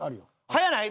早ない？